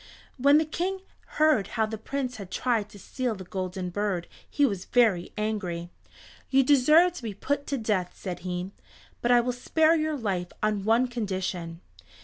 When the King heard how the Prince had tried to steal the Golden Bird he was very angry. "You deserve to be put to death," said he, "but I will spare your life on one condition.